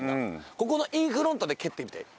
ここのインフロントで蹴ってみて。